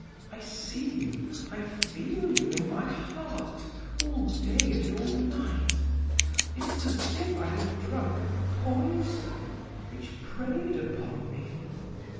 I see you, I feel you, in my heart all day and all night. It is as if I had drunk a poison which preyed upon me.